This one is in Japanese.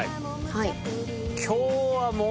はい。